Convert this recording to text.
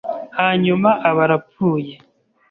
hanyuma aba arapfuye